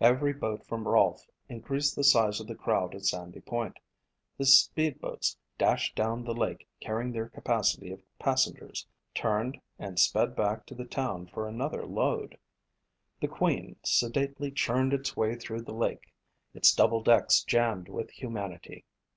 Every boat from Rolfe increased the size of the crowd at Sandy Point. The speedboats dashed down the lake carrying their capacity of passengers, turned and sped back to the town for another load. The Queen sedately churned its way through the lake, its double decks jammed with humanity.